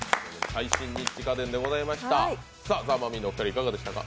最新ニッチ家電でございました。